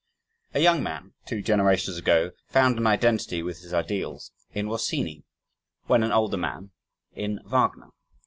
A young man, two generations ago, found an identity with his ideals, in Rossini; when an older man in Wagner.